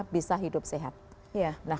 bisa hidup sehat nah